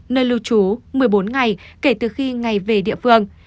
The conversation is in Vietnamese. nơi lưu trú một mươi bốn ngày kể từ khi ngày về địa phương